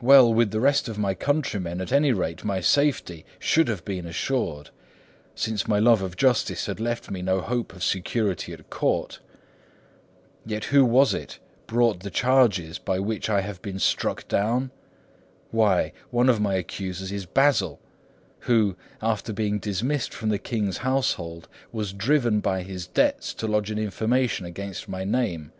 Well, with the rest of my countrymen, at any rate, my safety should have been assured, since my love of justice had left me no hope of security at court. Yet who was it brought the charges by which I have been struck down? Why, one of my accusers is Basil, who, after being dismissed from the king's household, was driven by his debts to lodge an information against my name.